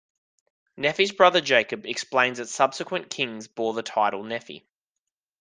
Nephi's brother Jacob explains that subsequent kings bore the title Nephi.